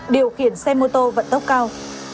điều khiển xe mô tô vận tốc cao